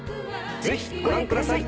ぜひご覧ください。